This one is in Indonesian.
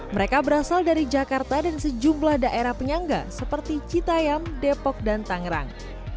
mereka berasal dari jakarta dan sejumlah daerah penyangga seperti citayam depok dan tangerang